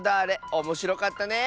おもしろかったね！